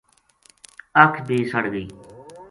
اَکھ بے سڑ گئی